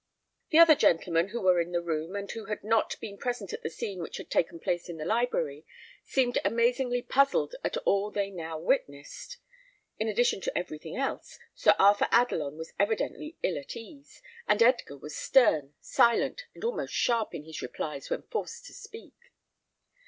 The other gentlemen who were in the room, and who had not been present at the scene which had taken place in the library, seemed amazingly puzzled at all they now witnessed. In addition to everything else, Sir Arthur Adelon was evidently ill at ease, and Edgar was stern, silent, and almost sharp in his replies when forced to speak.